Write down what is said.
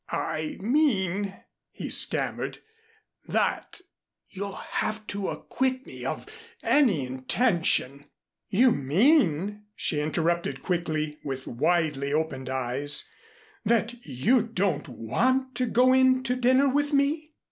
"I mean " he stammered, "that you'll have to acquit me of any intention " "You mean," she interrupted quickly, with widely opened eyes, "that you don't want to go in to dinner with me?